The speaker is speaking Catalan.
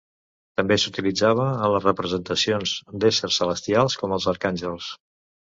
També s'utilitzava en les representacions d'éssers celestials com els arcàngels.